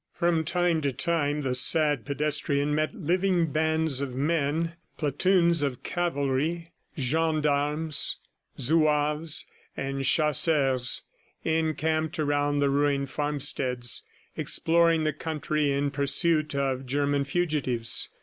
From time to time, the sad pedestrian met living bands of men platoons of cavalry, gendarmes, Zouaves and chasseurs encamped around the ruined farmsteads, exploring the country in pursuit of German fugitives.